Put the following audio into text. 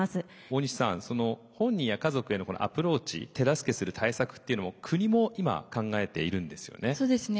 大西さん本人や家族へのアプローチ手助けする対策っていうのも国も今考えているんですよね？